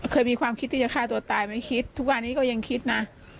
เคยมีความคิดที่จะฆ่าตัวตายไหมคิดทุกวันนี้ก็ยังคิดนะ